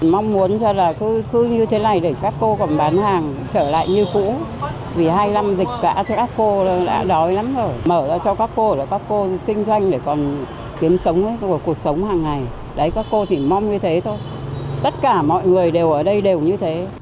mong muốn là cứ như thế này để các cô còn bán hàng trở lại như cũ vì hai năm dịch cả các cô đã đói lắm rồi mở ra cho các cô là các cô kinh doanh để còn kiếm sống và cuộc sống hàng ngày đấy các cô thì mong như thế thôi tất cả mọi người đều ở đây đều như thế